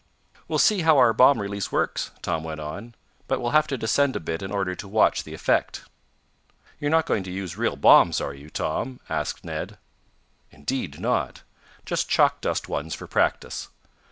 "We'll see how our bomb release works," Tom went on. "But we'll have to descend a bit in order to watch the effect." "You're not going to use real bombs, are you, Tom?" asked Ned. "Indeed not. Just chalk dust ones for practice.